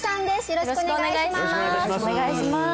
よろしくお願いします